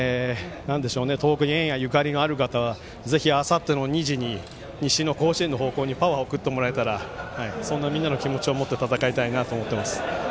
東北に縁や、ゆかりのある方はぜひ、あさっての２時に西の甲子園の方向にパワーを送ってもらえたらそんなみんなの気持ちを持って戦いたいなと思っています。